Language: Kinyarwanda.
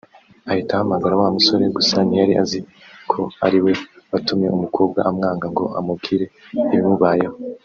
ahita ahamagara wa musore (gusa ntiyari aziko ariwe watumye umukobwa amwanga) ngo amubwire ibimubayeho